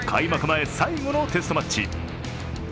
前最後のテストマッチ。